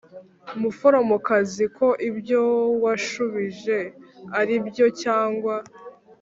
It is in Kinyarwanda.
Muforomokazi ko ibyo yashubije ari byo cyangwa